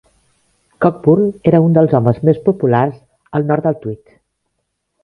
Cockburn era un dels homes més populars al nord del Tweed.